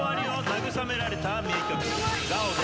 慰められた名曲。